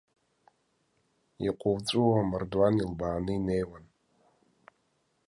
Иҟуҵәуо, амардуан илбааны инеиуан.